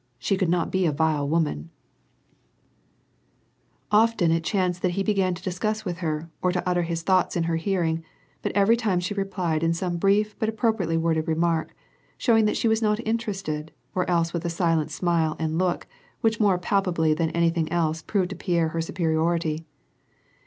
She could not be a vile woman ! Often it chanced that he began to discuss with her, or to utter his thoughts in her hearing, but every time she replied in some brief but appropriately worded remark, showing that she was not interested, or else with a silent smile and look, which more palpably than anything else proved to Pierre her superiority.